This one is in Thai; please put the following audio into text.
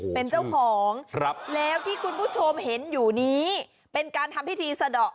เป็นเจ้าของแล้วที่คุณผู้ชมเห็นอยู่นี้เป็นการทำพิธีสะดอก